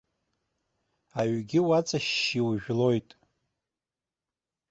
Аҩгьы уаҵашьшьы иужәлоит.